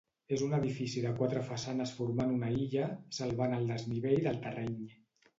És un edifici de quatre façanes formant una illa, salvant el desnivell del terreny.